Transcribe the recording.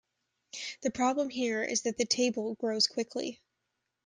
The problem here is that the table grows quickly.